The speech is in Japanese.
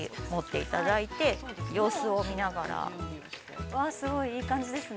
◆うわあ、すごいいい感じですね。